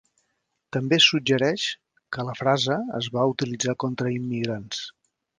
També suggereix que la frase es va utilitzar contra immigrants.